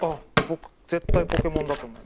僕絶対『ポケモン』だと思います。